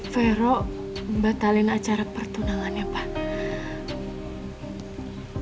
vero membatalkan acara pertunangannya pak